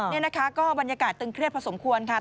นี่นะคะก็บรรยากาศตึงเครียดพอสมควรค่ะ